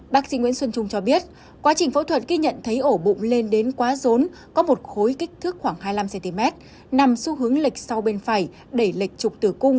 bác sĩ nguyễn xuân trung cho biết quá trình phẫu thuật ghi nhận thấy ổ bụng lên đến quá rốn có một khối kích thước khoảng hai mươi năm cm nằm xu hướng lệch sau bên phải đẩy lệch trục tử cung